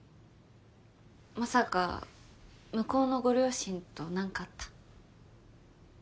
まさか向こうのご両親と何かあった？